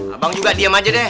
abang juga diem aja deh